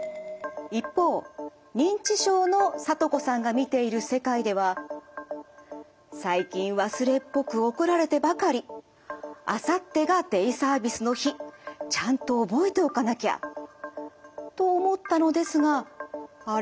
一方認知症のさとこさんが見ている世界では「最近忘れっぽく怒られてばかり。あさってがデイサービスの日。ちゃんと覚えておかなきゃ」と思ったのですが「あれ？